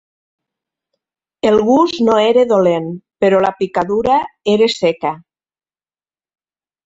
El gust no era dolent, però la picadura era seca